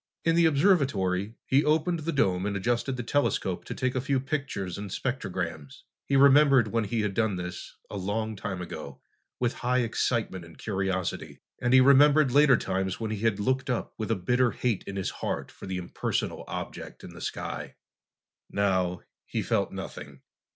In the observatory, he opened the dome and adjusted the telescope to take a few pictures and spectrograms. He remembered when he had done this, a long time ago, with high excitement and curiosity, and he remembered later times when he had looked up with a bitter hate in his heart for the impersonal object in the sky. Now, he felt nothing.